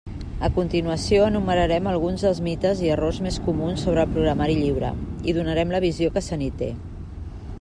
A continuació enumerarem alguns dels mites i errors més comuns sobre el programari lliure i donarem la visió que se n'hi té.